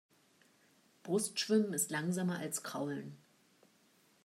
Brustschwimmen ist langsamer als Kraulen.